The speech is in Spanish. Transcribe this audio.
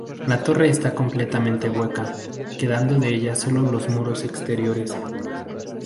La torre está completamente hueca, quedando de ella sólo los muros exteriores.